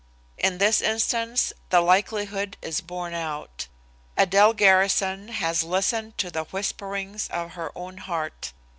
In this instance, the likelihood is borne out. Adele Garrison has listened to the whisperings of her own heart.